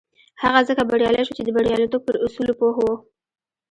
هغه ځکه بريالی شو چې د برياليتوب پر اصولو پوه و.